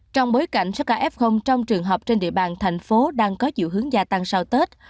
trong bối cảnh saka f trong trường học trên địa bàn thành phố đang có dự hướng gia tăng sau tết